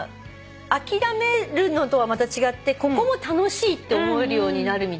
諦めるのとはまた違ってここも楽しいって思えるようになるみたいで。